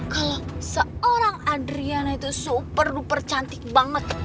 kalo seorang adriana itu super duper cantik banget